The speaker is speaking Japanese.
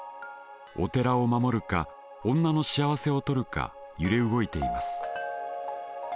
お寺を守るか女の幸せをとるか揺れ動いています。